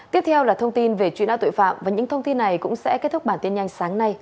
tiếp theo là thông tin về truy nã tội phạm và những thông tin này cũng sẽ kết thúc bản tin nhanh sáng nay